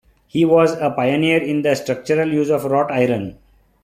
He was a pioneer in the structural use of wrought iron.